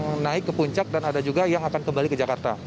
yang naik ke puncak dan ada juga yang akan kembali ke jakarta